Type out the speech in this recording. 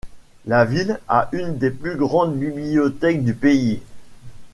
La ville a une des plus grandes bibliothèques du pays.